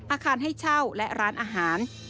อาคารให้เช่าและร้านอาหาร